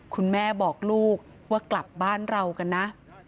คุณแม่บอกลูกว่ากลับบ้านเรากันนะ